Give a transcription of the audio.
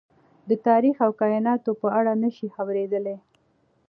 د تاريخ او کايناتو په اړه نه شي خبرېدلی.